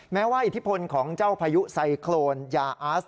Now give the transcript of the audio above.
แม้ว่าอิทธิพลของเจ้าพายุไซโครนยาอาส